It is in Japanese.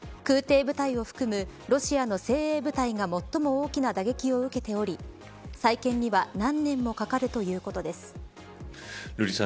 空挺部隊を含むロシアの精鋭部隊が最も大きな打撃を受けており再建には何年もかかるということです。